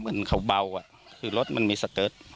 เหมือนเขาเบาอ่ะคือรถมันมีสเติร์ท